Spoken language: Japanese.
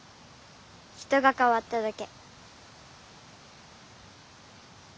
人がかわっただけ。